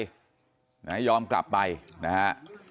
ยอมกลับไปนะฮะ